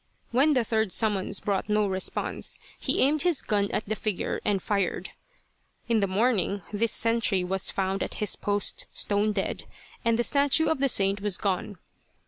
When the third summons brought no response, he aimed his gun at the figure and fired. "In the morning this sentry was found at his post, stone dead, and the statue of the saint was gone.